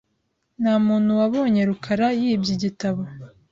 Ntamuntu wabonye rukara yibye igitabo .